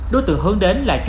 đối tượng hướng đến là chú phúc